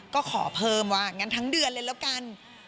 ก็ขอเพิ่มว่างั้นทั้งเดือนเลยแล้วกัน